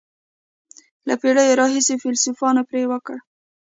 له پېړیو راهیسې فیلسوفان پرې فکر کوي.